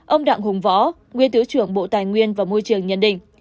ông đặng hùng võ nguyên thứ trưởng bộ tài nguyên và môi trường nhận định